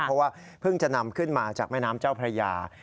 เพราะว่าเพิ่งจะนำขึ้นมาจากแม่น้ำเจ้าพระยา